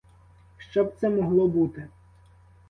Що б це могло бути?